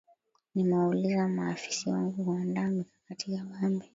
nimewauliza maafisa wangu kuandaa mikakati kabambe